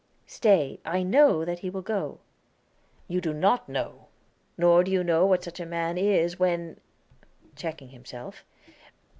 "Stay; I know that he will go." "You do not know. Nor do you know what such a man is when " checking himself.